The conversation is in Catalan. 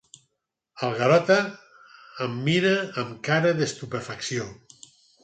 El Garota em mira amb cara d'estupefacció.